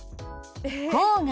郊外？